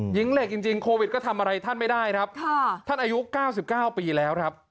หญิงเหล็กจริงจริงโควิดก็ทำอะไรท่านไม่ได้ครับค่ะท่านอายุเก้าสิบเก้าปีแล้วครับ